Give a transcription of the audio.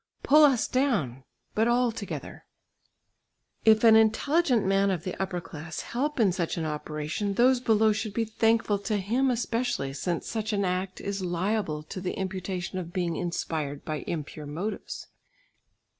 "Pull us down! but all together." If an intelligent man of the upper class help in such an operation, those below should be thankful to him especially since such an act is liable to the imputation of being inspired by impure motives.